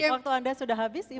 waktu anda sudah habis